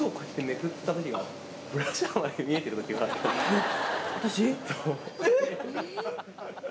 えっ！